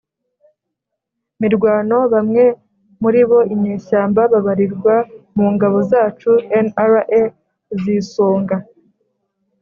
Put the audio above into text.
mirwano. bamwe muri bo [inyeshyamba] babarirwa mu ngabo zacu (nra) z'isonga";